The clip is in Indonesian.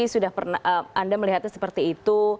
sudah pernah anda melihatnya seperti itu